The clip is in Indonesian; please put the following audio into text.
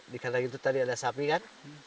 di kota itu tadi ada sapi kan